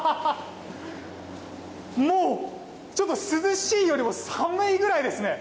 もう、ちょっと涼しいよりも寒いぐらいですね。